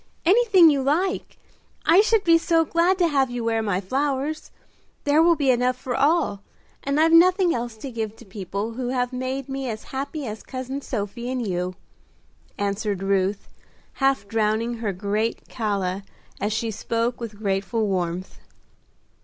"Anything you like! I should be so glad to have you wear my flowers. There will be enough for all, and I've nothing else to give to people who have made me as happy as cousin Sophie and you," answered Ruth, half drowning her great calla as she spoke with grateful warmth.